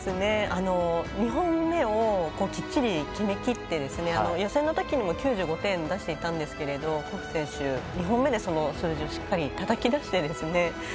２本目をきっちり決めきって予選のときにも９５点を出していたんですけど谷選手、２本目でその数字をしっかりたたき出して。